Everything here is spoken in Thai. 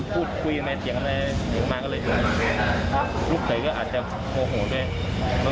คุยไหมเสียงอะไรนึกมาก็เลย